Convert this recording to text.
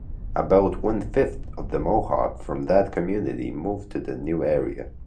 About one-fifth of the Mohawk from that community moved to the new area.